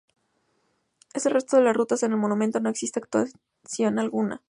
En el resto de las rutas, en este momento, no existe actuación alguna.